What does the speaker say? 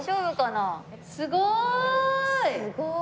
すごーい！